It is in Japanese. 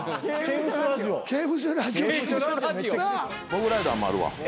モグライダーもあるわ。